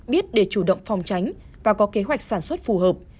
biết để chủ động phòng tránh và có kế hoạch sản xuất phù hợp